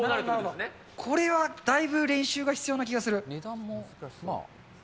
これはだいぶ練習が必要な気がする。